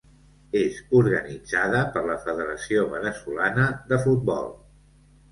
És organitzada per la Federació Veneçolana de Futbol.